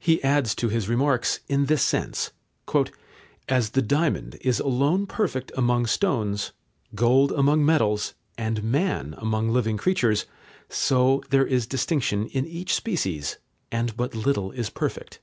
He adds to his remarks in this sense: "As the diamond is alone perfect among stones, gold among metals, and man among living creatures, so there is distinction in each species, and but little is perfect."